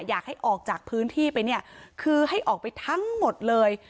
อยากให้ออกจากพื้นที่ไปเนี่ยคือให้ออกไปทั้งหมดเลย